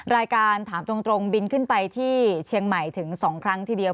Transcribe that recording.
รายการถามตรงบินขึ้นไปที่เชียงใหม่ถึง๒ครั้งทีเดียว